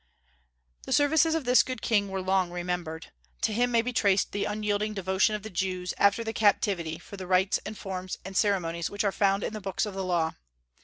The services of this good king were long remembered. To him may be traced the unyielding devotion of the Jews, after the Captivity, for the rites and forms and ceremonies which are found in the books of the Law.